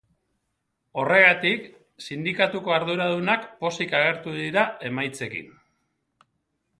Horregatik, sindikatuko arduradunak pozik agertu dira emaitzekin.